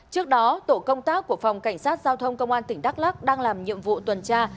trước đó tổ công tác của phòng cảnh sát giao thông công an tỉnh đắk lắc đang làm nhiệm vụ tuần tra